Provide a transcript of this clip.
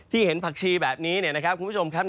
เห็นผักชีแบบนี้เนี่ยนะครับคุณผู้ชมครับ